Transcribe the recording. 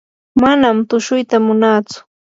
manam tushuyta munantsu.